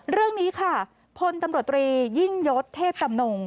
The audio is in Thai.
เรื่องนี้ค่ะพลตำรวจตรียิ่งยศเทพจำนง